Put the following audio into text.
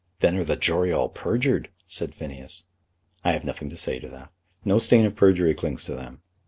"Then are the jury all perjured," said Phineas. "I have nothing to say to that. No stain of perjury clings to them.